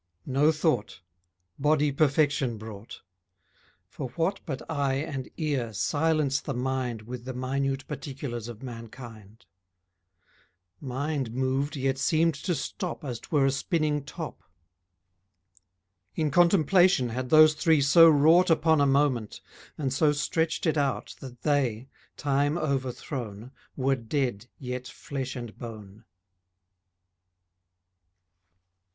No thought, Body perfection brought, For what but eye and ear silence the mind With the minute particulars of mankind? Mind moved yet seemed to stop As 'twere a spinning top. In contemplation had those three so wrought Upon a moment, and so stretched it out That they, time overthrown, Were dead yet flesh and bone.